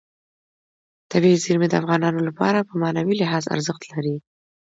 طبیعي زیرمې د افغانانو لپاره په معنوي لحاظ ارزښت لري.